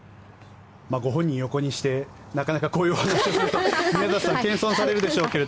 ご本人を横にしてなかなかこういう話をすると宮里さん謙遜されるでしょうけど。